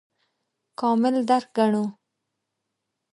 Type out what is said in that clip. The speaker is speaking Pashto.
کامل درک ګڼو.